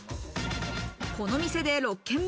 この店で６軒目。